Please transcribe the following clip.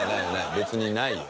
別にないよ。